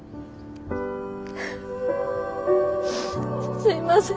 すいません。